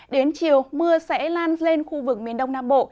đến chiều mưa sẽ lan lên khu vực miền đông nam bộ